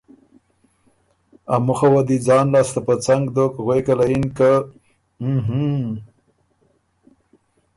ا مُخه وه دی ځان لاسته په څنګ دوک، غوېکه له یِن که اُووووں ــ هُووووں